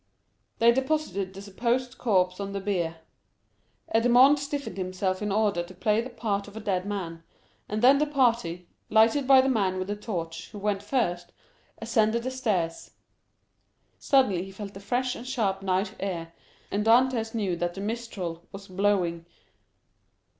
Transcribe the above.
They deposited the supposed corpse on the bier. Edmond stiffened himself in order to play the part of a dead man, and then the party, lighted by the man with the torch, who went first, ascended the stairs. Suddenly he felt the fresh and sharp night air, and Dantès knew that the mistral was blowing.